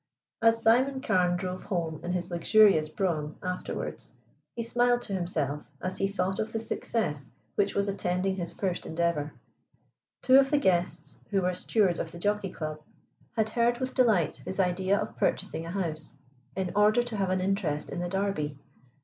As Simon Carne drove home in his luxurious brougham afterwards, he smiled to himself as he thought of the success which was attending his first endeavor. Two of the guests, who were stewards of the Jockey Club, had heard with delight his idea of purchasing a horse, in order to have an interest in the Derby.